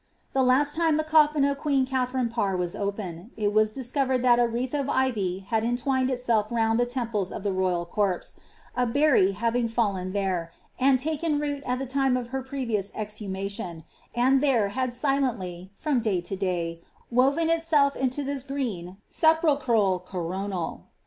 The last lime the coflin of queen Katharine Pojt was opened, it was discovered that a wreath of ivy had entwined itself round the temples of the royal corpse, a berry having fallen there, an<l taken root at ihs lime of her previous exhumation, and (here had silently, from day to day, woven itself into this green sepulchral coronal.